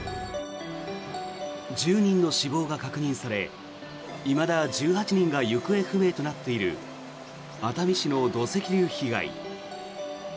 １０人の死亡が確認されいまだ１８人が行方不明となっている熱海市の土石流被害。